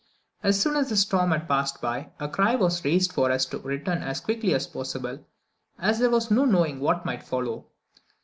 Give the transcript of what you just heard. As soon as the storm had passed by, a cry was raised for us to return as quickly as possible, as there was no knowing what might follow.